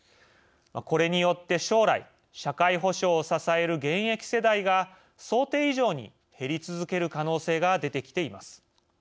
これによって将来社会保障を支える現役世代が想定以上に減り続ける可能性が出てきています。